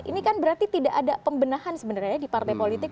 ini kan berarti tidak ada pembenahan sebenarnya di partai politik